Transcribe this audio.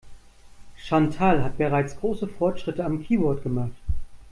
Chantal hat bereits große Fortschritte am Keyboard gemacht.